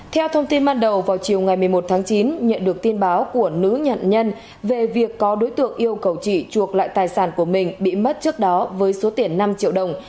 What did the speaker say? theo thông tin ban đầu vào chiều ngày một mươi một tháng chín nhận được tin báo của nữ nhận nhân về việc có đối tượng yêu cầu chị chuộc lại tài sản của mình bị mất trước đó với số tiền năm triệu đồng